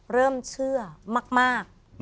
เริ่มเชื่อมาก